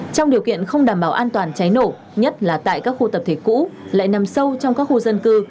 trong điều kiện không đảm bảo an toàn cháy nổ nhất là tại các khu tập thể cũ lại nằm sâu trong các khu dân cư